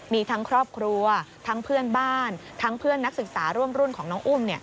มีทั้งครอบครัวทั้งเพื่อนบ้านทั้งเพื่อนนักศึกษาร่วมรุ่นของน้องอุ้ม